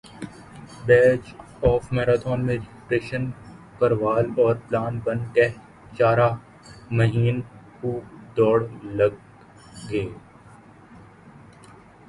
بیچ half marathon میں registration کروال اور پلان بن کہہ چارہ مہین خوب دوڑ لگ گے